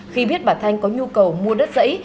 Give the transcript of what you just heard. khi biết bà thanh có nhu cầu mua đất dãy